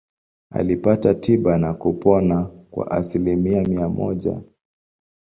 Alipata tiba na kupona kwa asilimia mia moja.